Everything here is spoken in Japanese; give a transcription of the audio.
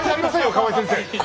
河合先生！